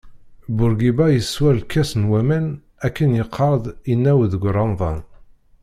Burgiba yeswa lkas n waman akken yeqqar-d inaw deg remḍan.